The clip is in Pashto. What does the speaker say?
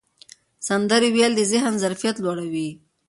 سندرې ویل د ذهن ظرفیت لوړوي.